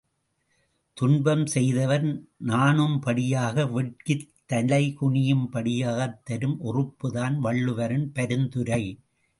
துன்பம் செய்தவர் நானும்படியாக வெட்கித் தலை குனியும்படியாகத் தரும் ஒறுப்புதான் வள்ளுவரின் பரிந்துரை.